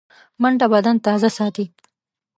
منډه بدن تازه ساتي